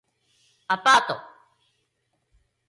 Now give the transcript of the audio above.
アパート